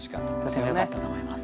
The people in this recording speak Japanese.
とてもよかったと思います。